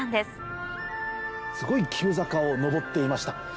すごい急坂を上っていました。